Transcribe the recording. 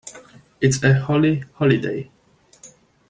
It's a Holi-Holiday.